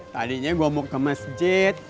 tadinya gue mau ke masjid